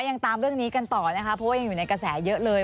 ยังตามเรื่องนี้กันต่อนะคะเพราะว่ายังอยู่ในกระแสเยอะเลย